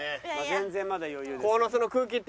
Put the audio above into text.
全然まだ余裕です。